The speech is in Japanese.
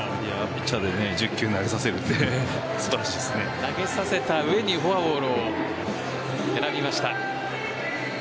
ピッチャーで１０球投げさせるって投げさせた上にフォアボールを選びました。